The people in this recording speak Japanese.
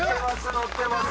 ノってます